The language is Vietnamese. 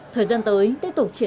thời gian tới tiếp tục triển